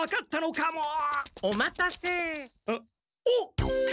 おっ！